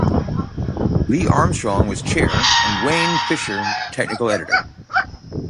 Lee Armstrong was chair and Wayne Fisher technical editor.